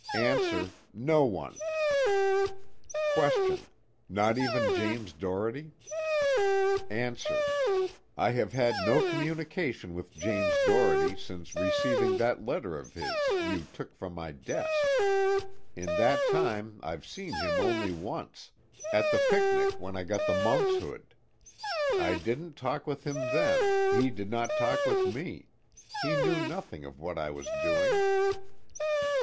ANSWER: No one. QUESTION: Not even James Doherty? ANSWER: I have had no communication with James Doherty since receiving that letter of his you took from my desk. In that time I've seen him only once at the picnic when I got the monkshood. I didn't talk with him then, he did not talk with me, he knew nothing of what I was doing.